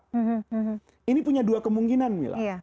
mereka punya dua kemungkinan mila